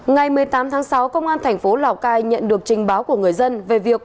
ngày một mươi tám tháng sáu công an thành phố lào cai nhận được trình báo của người dân về việc